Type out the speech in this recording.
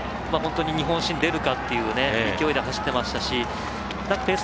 日本新出るかっていう勢いで走っていましたしペース